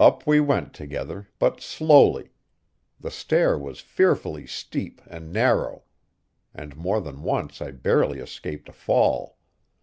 Up we went together, but slowly. The stair was fearfully steep and narrow, and more than once I barely escaped a fall.